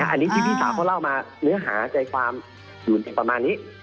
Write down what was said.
อันนี้ที่พี่สาวเขาเล่ามาเนื้อหาใจความอยู่ในประมาณนี้